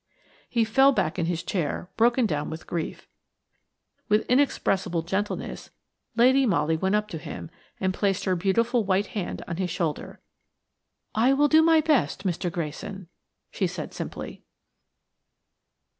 He fell back in his chair broken down with grief. With inexpressible gentleness Lady Molly went up to him and placed her beautiful white hand on his shoulder. "I will do my best, Mr. Grayson," she said simply.